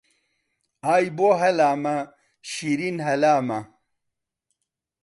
ئای بۆ هەلامە شیرین هەلامە